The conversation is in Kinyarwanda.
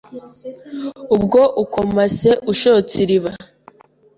Ubwo ukomase ushotse iriba